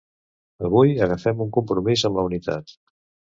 Avui agafem un compromís amb la unitat.